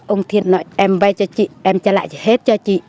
ông thiền nói em vay cho chị em trả lại hết cho chị